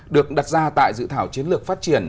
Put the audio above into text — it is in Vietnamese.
được đặt ra tại dự thảo chiến lược phát triển